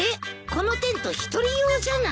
このテント１人用じゃない？